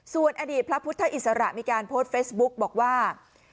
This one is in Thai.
ส่วนอดีตพระพุทธอิสระมีการโพสต์เฟซบุ๊กบอกว่า